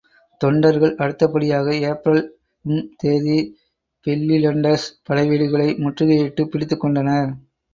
தொண்டர்கள்.அடுத்தபடியாக April ம் தேதி பல்லிலண்டர்ஸ் படைவீடுகளை முற்றுகையிட்டுப் பிடித்துக் கொண்டனர்.